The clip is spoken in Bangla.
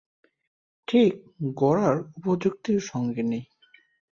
ঠিক গোরার উপযুক্ত সঙ্গিনী।